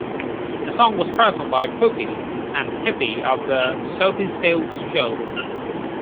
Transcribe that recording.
The song was performed by Pookie and Hippy of The Soupy Sales Show.